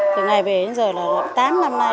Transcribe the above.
từ ngày về đến giờ là tám năm nay